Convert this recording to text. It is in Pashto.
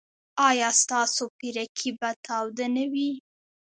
ایا ستاسو پیرکي به تاوده نه وي؟